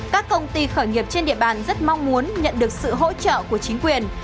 các công ty khởi nghiệp trên địa bàn rất mong muốn nhận được sự hỗ trợ của chính quyền